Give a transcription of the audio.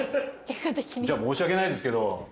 じゃあ申し訳ないですけど。